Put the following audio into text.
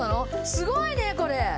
すごいねこれ！